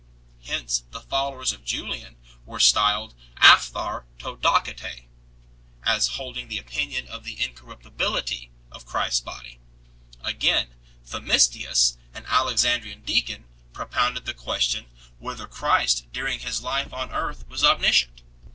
Hence the followers of Julian were styled Aphthartodocetse, as hold ing the opinion of the incorruptibility of Christ s Body. Again, Themistius, an Alexandrian deacon, propounded the question, whether Christ during His life on earth was omniscient.